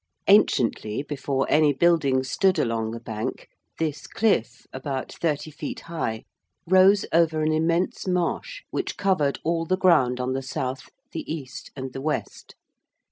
Anciently, before any buildings stood along the bank, this cliff, about 30 feet high, rose over an immense marsh which covered all the ground on the south, the east, and the west.